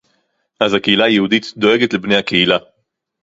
אז הקהילה היהודית דואגת לבני הקהילה